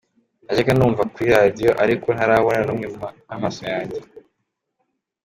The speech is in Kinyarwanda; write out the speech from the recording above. Najyaga mbumva kuri radio ariko ntarabona n’umwe n’amaso yanjye.